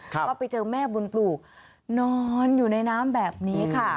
ก็ไปเจอแม่บุญปลูกนอนอยู่ในน้ำแบบนี้ค่ะ